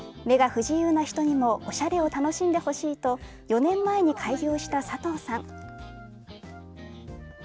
目が不自由な人にもおしゃれを楽しんでほしいと４年前に開業した佐藤さん。